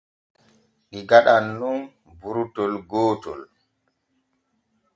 Ɗi gaɗan nun burtol gootol.